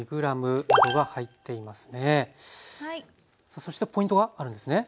そしてポイントがあるんですね。